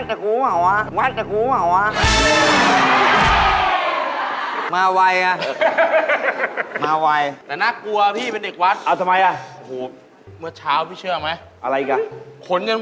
จะไปบิน๕บาทหลงพ่อหลงพ่อตกพอละครั้ง